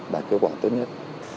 đạt kế hoạch tốt nhất